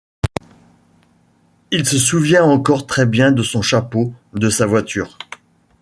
Il se souvient encore très bien de son chapeau, de sa voiture.